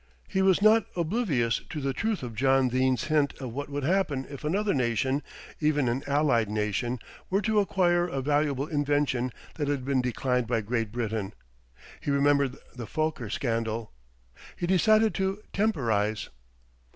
He was not oblivious to the truth of John Dene's hint of what would happen if another nation, even an allied nation, were to acquire a valuable invention that had been declined by Great Britain. He remembered the Fokker scandal. He decided to temporise.